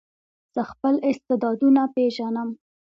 زه خپل استعدادونه پېژنم.